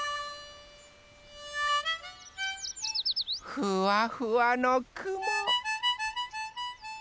ふわふわのくも。